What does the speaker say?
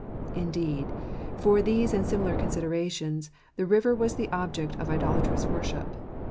Indeed, for these and similar considerations the river was the object of idolatrous worship.